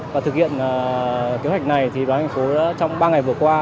và thực hiện kế hoạch này thì báo thành phố trong ba ngày vừa qua